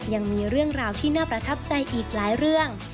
ยังมีเรื่องราวที่น่าประทับใจอีกหลายเรื่อง